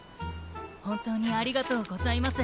ほんとうにありがとうございます。